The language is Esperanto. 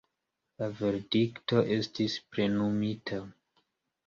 La verdikto estis plenumita.